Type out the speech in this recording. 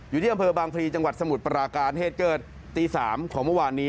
อยู่ที่อำเภอบางพลีจังหวัดสมุทรปราการเหตุเกิดตีสามของเมื่อวานนี้